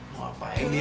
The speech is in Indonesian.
mau apain dia